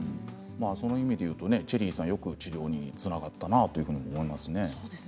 その意味でいうとチェリーさん、よく治療につながったなと思いますね。